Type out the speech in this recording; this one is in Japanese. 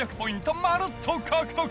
まるっと獲得。